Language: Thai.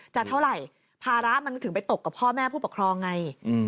จะเท่าไหร่ภาระมันถึงไปตกกับพ่อแม่ผู้ปกครองไง